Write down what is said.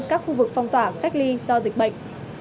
các khu vực phong tỏa cách ly do dịch bệnh